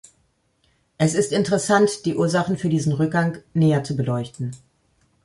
Es ist interessant, die Ursachen für diesen Rückgang näher zu beleuchten.